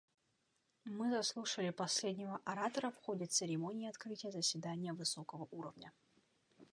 Мы заслушали последнего оратора в ходе церемонии открытия заседания высокого уровня.